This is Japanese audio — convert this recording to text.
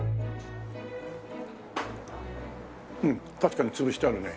うん確かに潰してあるね。